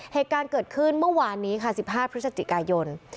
เหตุการณ์เกิดขึ้นเมื่อวานนี้ค่ะ๑๕พฤศจิกายน